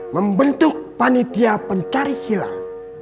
membentuk panitia pencari hilal